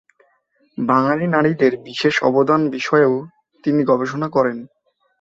বাঙালি নারীদের বিশেষ অবদান বিষয়েও তিনি গবেষণা করেন।